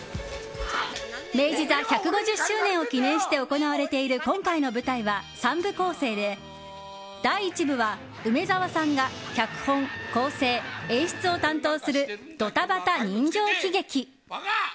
明治座１５０周年を記念して行われている今回の舞台は３部構成で、第１部は梅沢さんが脚本・構成・演出を担当するドタバタ人情喜劇。